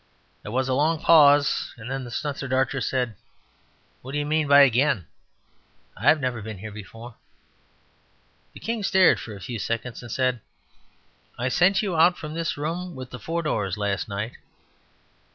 There was a long pause, and then the stunted archer said, "What do you mean by 'again'? I have never been here before." The king stared for a few seconds, and said, "I sent you out from this room with the four doors last night."